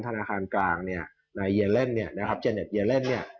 ทานาคารกลางสหรัฐตอนนี้ในอเยเล็นเนี่ยเจนเน็ตเยเล็นเนี่ย